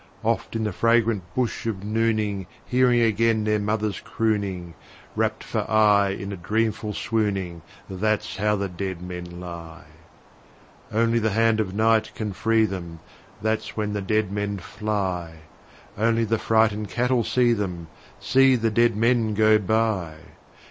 Oft in the fragrant hush of nooning Hearing again their mother's crooning, Wrapt for aye in a dreamful swooning That's how the dead men lie! Only the hand of Night can free them That's when the dead men fly! Only the frightened cattle see them See the dead men go by!